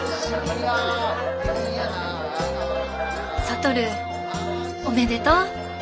智おめでとう！